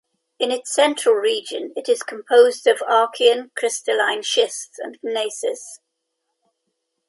In its central region it is composed of Archean crystalline schists and gneisses.